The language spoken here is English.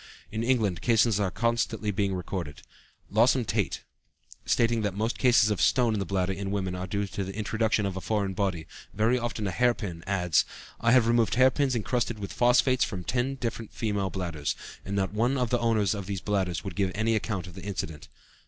In England cases are constantly being recorded. Lawson Tait, stating that most cases of stone in the bladder in women are due to the introduction of a foreign body, very often a hair pin, adds: "I have removed hair pins encrusted with phosphates from ten different female bladders, and not one of the owners of these bladders would give any account of the incident."